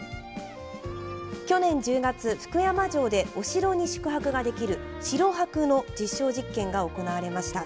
去年１０月福山城でお城に宿泊ができる城泊の実証実験が行われました。